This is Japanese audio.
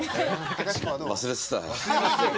忘れてたよ。